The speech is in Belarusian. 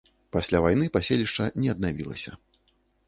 Пасля вайны паселішча не аднавілася.